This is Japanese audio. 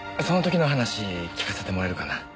その時の話聞かせてもらえるかな？